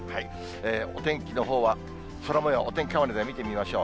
お天気のほうは、空もよう、お天気カメラで見てみましょう。